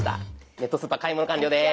ネットスーパー買い物完了です。